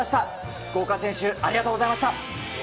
福岡選手、ありがとうございました。